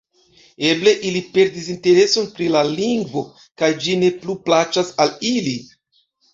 Eble ili perdis intereson pri la lingvo kaj ĝi ne plu plaĉas al ili.